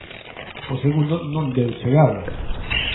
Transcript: O segundo non deu chegado.